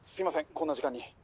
こんな時間に」